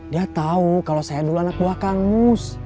dia tahu kalau saya dulu anak buah kang mus